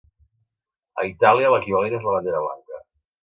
A Itàlia, l'equivalent és la bandera blanca.